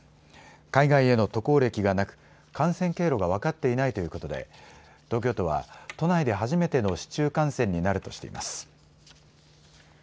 海外への渡航歴がなく感染経路が分かっていないということで東京都は都内で初めての市中感染になるとしています。